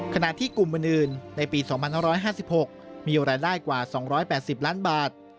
ขณะที่กลุ่มอื่นในปี๒๕๕๖มีรายได้กว่า๒๘๐ล้านบาท